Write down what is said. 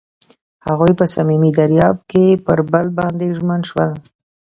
هغوی په صمیمي دریاب کې پر بل باندې ژمن شول.